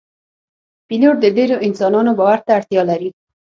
پیلوټ د ډیرو انسانانو باور ته اړتیا لري.